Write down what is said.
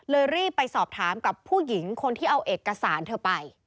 รีบไปสอบถามกับผู้หญิงคนที่เอาเอกสารเธอไป